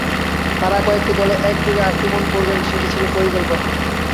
তারা কয়েকটি দলে একযোগে আক্রমণ করবেন সেটি ছিল পরিকল্পনা।